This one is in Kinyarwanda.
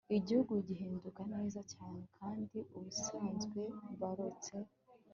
igihugu gihinduka neza cyane, kandi ubusanzwe barotse